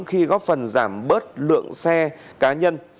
khi góp phần giảm bớt lượng xe cá nhân